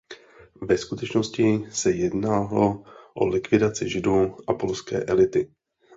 Ve skutečnosti se jednalo o likvidaci Židů a polské elity.